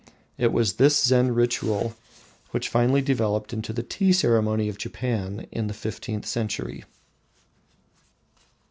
It was this Zen ritual which finally developed into the Tea ceremony of Japan in the fifteenth century.